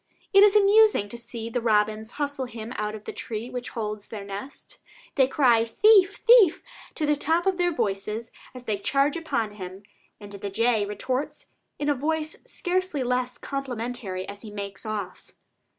It is amusing to see the robins hustle him out of the tree which holds their nest. They cry "Thief, thief!" to the top of their voices as they charge upon him, and the jay retorts in a voice scarcely less complimentary as he makes off.